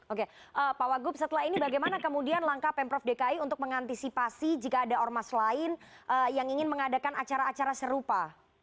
oke pak wagup setelah ini bagaimana kemudian langkah pemprov dki untuk mengantisipasi jika ada ormas lain yang ingin mengadakan acara acara serupa